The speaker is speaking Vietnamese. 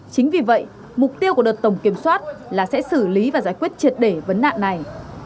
chính vì vậy mục tiêu của đợt tổng kiểm soát là sẽ xử lý và giải quyết triệt để vấn nạn này